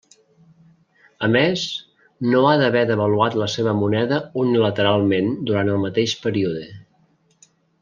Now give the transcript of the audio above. A més, no ha d'haver devaluat la seva moneda unilateralment durant el mateix període.